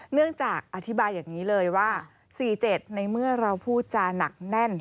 เนื่องจากอธิบายอย่างนี้เลยว่า๔๗ในเมื่อเราพูดจานักแน่น